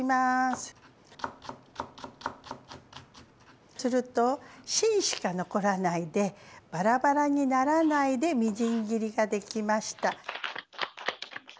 すると芯しか残らないでバラバラにならないでみじん切りができました。